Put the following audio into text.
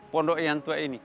pondok yang tua ini